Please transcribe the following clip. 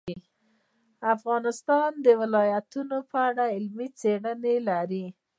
افغانستان د ولایتونو په اړه علمي څېړنې لري.